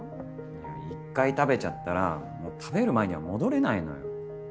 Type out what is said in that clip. いや１回食べちゃったらもう食べる前には戻れないのよ。